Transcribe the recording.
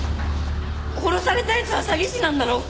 殺された奴は詐欺師なんだろ！？